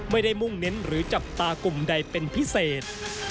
มุ่งเน้นหรือจับตากลุ่มใดเป็นพิเศษ